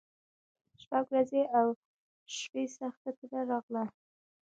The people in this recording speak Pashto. شپږ ورځي او شپي سخته تبه راغله